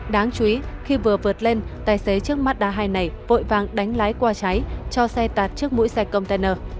đáng chú ý khi vừa vượt lên tài xế trước mắt đa hai này vội vàng đánh lái qua cháy cho xe tạt trước mũi xe container